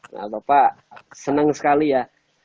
nah bapak senang sekali ya